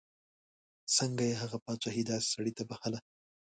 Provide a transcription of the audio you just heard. څنګه یې هغه پاچهي داسې سړي ته بخښله.